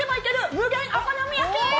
無限お好み焼き。